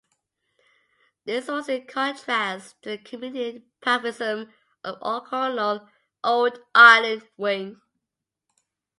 This was in contrast to the committed pacifism of O'Connell's "Old Ireland" wing.